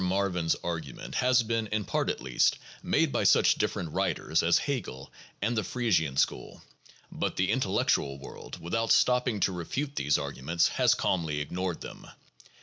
Marvin 's argument has been, in part at least, made by such different writers as Hegel 9 and the Prie sian school, 10 but the intellectual world, without stopping to refute these arguments, has calmly ignored them.